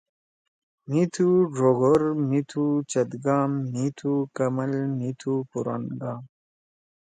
مھی تُھو ڙوگور مھی تُھو چت گام، مھی تُھو کمل مھی تُھو پُران گام